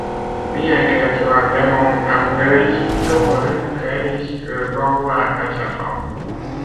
Bien qu'elle soit vraiment amoureuse d'Howard, Clarice le renvoie à sa femme.